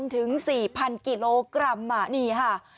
ถึง๔๐๐กิโลกรัมนี่ค่ะ